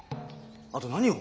あと何よ？